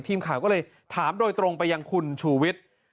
ทีมข่าวก็เลยถามโดยตรงไปยังคุณชูวิทย์